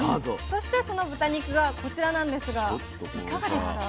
そしてその豚肉がこちらなんですがいかがですか？